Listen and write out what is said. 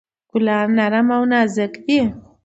ګلان نرم او نازک دي.